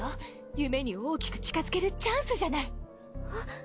夢に大きく近づけるチャンスじゃない。